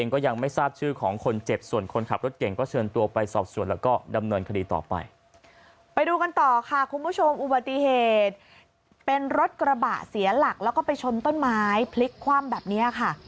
กระบะเสียหลักแล้วก็ไปชนต้นไม้พลิกคว่ำแบบนี้ค่ะ